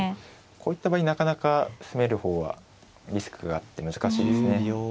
こういった場合なかなか攻める方はリスクがあって難しいですね。